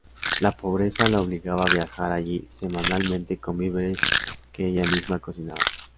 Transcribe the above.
La pobreza la obligaba a viajar allí semanalmente con víveres que ella misma cocinaba.